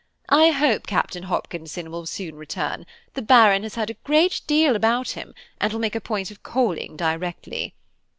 I hope Captain Hopkinson will soon return. The Baron has heard a great deal about him, and will make a point of calling directly.